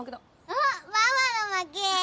あっママの負け！